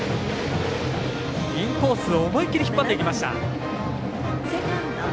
インコース、思い切り引っ張っていきました。